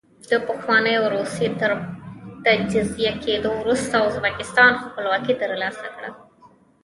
د پخوانۍ روسیې تر تجزیه کېدو وروسته ازبکستان خپلواکي ترلاسه کړه.